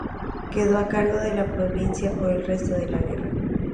Quedó a cargo de la provincia por el resto de la guerra.